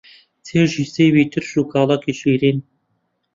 چێژی سێوی ترش و کاڵەکی شیرین